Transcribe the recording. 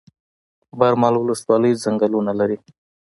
برمل ولسوالۍ ځنګلونه لري؟